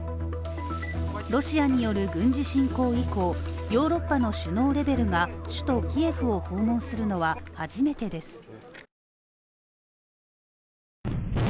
ロシアによる軍事侵攻以降ヨーロッパの首脳レベルが首都キエフを訪問するのは初めてです。